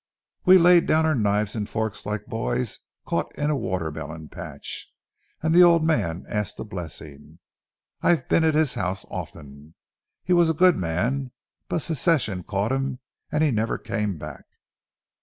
We laid down our knives and forks like boys caught in a watermelon patch, and the old man asked a blessing. I've been at his house often. He was a good man, but Secession caught him and he never came back.